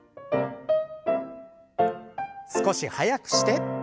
少し速くして。